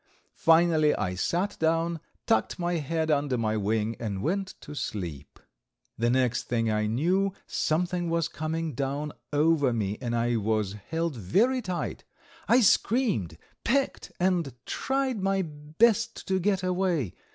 Finally I sat down, tucked my head under my wing and went to sleep. The next thing I knew something was coming down over me and I was held very tight. I screamed, pecked, and tried my best to get away.